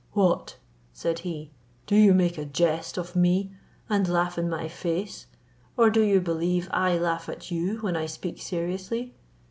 "What!" said he, "do you make a jest of me and laugh in my face, or do you believe I laugh at you when I speak seriously?